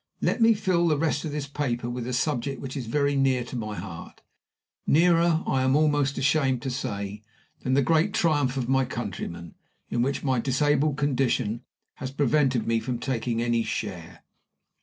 Let me fill the rest of this paper with a subject which is very near to my heart nearer, I am almost ashamed to say, than the great triumph of my countrymen, in which my disabled condition has prevented me from taking any share.